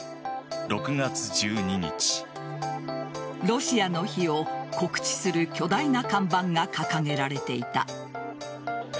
ロシアの日を告知する巨大な看板が掲げられていた。